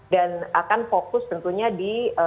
dan akan fokus tentunya di